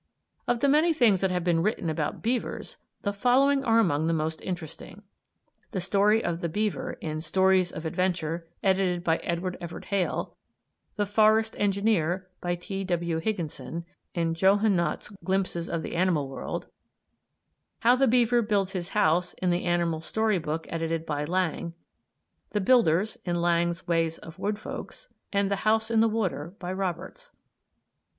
Of the many things that have been written about beavers the following are among the most interesting: The story of the beaver in "Stories of Adventure," edited by Edward Everett Hale; "The Forest Engineer," by T. W. Higginson, in Johonnott's "Glimpses of the Animal World"; "How the Beaver Builds His House," in "The Animal Story Book," edited by Lang; "The Builders," in Lang's "Ways of Wood Folks"; and "The House in the Water," by Roberts.